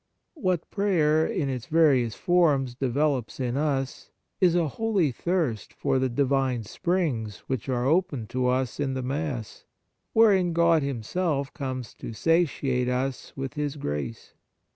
What prayer, in its various forms, develops in us is a holy thirst for the Divine springs which are open to us in the Mass, wherein God Himself comes to satiate us with His grace.